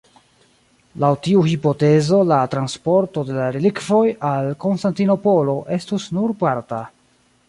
Laŭ tiu hipotezo, la transporto de la relikvoj al Konstantinopolo estus nur parta.